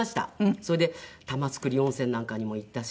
それで玉造温泉なんかにも行ったし。